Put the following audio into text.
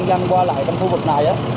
đang qua lại trong khu vực này á